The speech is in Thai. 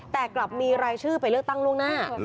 แต่กลับมีรายชื่อไปเลือกตั้งล่วงหน้า